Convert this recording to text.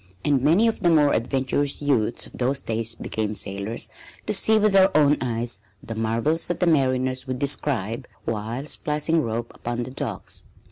And many of the more adventurous youths of those days became sailors to see with their own eyes the marvels that the mariners would describe, while splicing rope upon the docks.